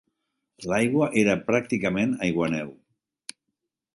L'aigua era pràcticament aiguaneu